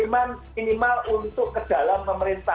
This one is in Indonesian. minimal untuk ke dalam pemerintah